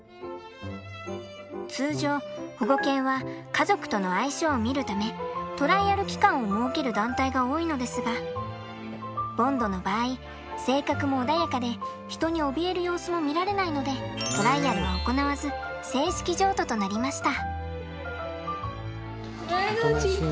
通常保護犬は家族との相性を見るためトライアル期間を設ける団体が多いのですがボンドの場合性格も穏やかで人におびえる様子も見られないのでトライアルは行わず正式譲渡となりました。